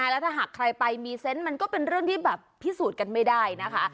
แล้วถ้าหากใครไปมีเซนต์มันก็เป็นเรื่องที่แบบพิสูจน์กันไม่ได้นะคะ